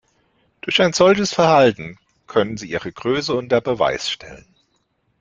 Durch ein solches Verhalten können sie ihre Größe unter Beweis stellen.